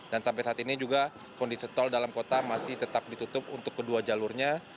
dan sampai saat ini juga kondisi tol dalam kota masih tetap ditutup untuk kedua jalurnya